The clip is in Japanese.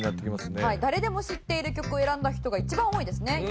誰でも知っている曲を選んだ人が一番多いですね。